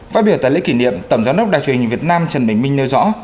phát biểu tại lễ kỷ niệm tổng giám đốc đài truyền hình việt nam trần bình minh nêu rõ